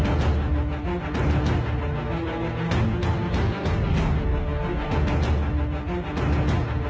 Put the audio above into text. หลังจากพิสูจน์ธารก่อนถูกจะแบ่งเรากิดฐานเกินไป